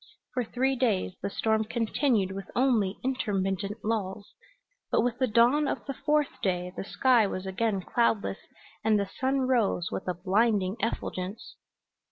For three days the storm continued with only intermittent lulls, but with the dawn of the fourth day the sky was again cloudless, and the sun rose with a blinding effulgence.